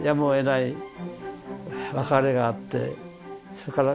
それから。